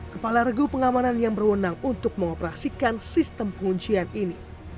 kepala regu pengamanan yang berwenang untuk mengoperasikan sistem penguncian ini